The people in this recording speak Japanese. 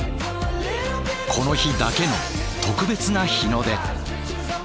この日だけの特別な日の出。